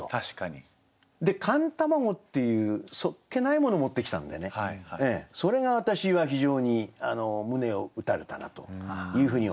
で「寒卵」っていうそっけないものを持ってきたんでね。それが私は非常に胸を打たれたなというふうに思いまして。